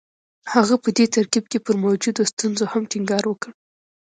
هغه په دې ترکيب کې پر موجودو ستونزو هم ټينګار وکړ.